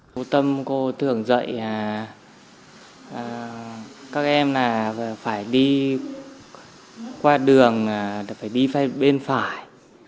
bà tâm cô thường dạy các em là phải đi qua đường là phải đi bên phải